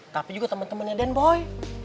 tapi juga temen temennya den boy